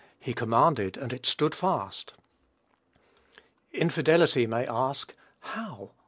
He commanded, and it stood fast." Infidelity may ask, "How? where?